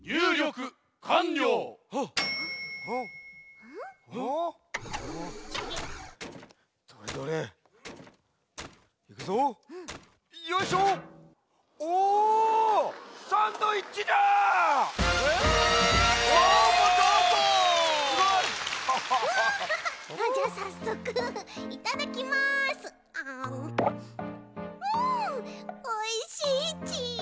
うんおいしいち。